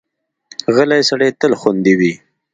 غلی سړی تل خوندي وي.